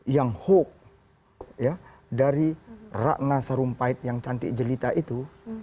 yang hoax dari ratna sarumpait yang cantik jelita itu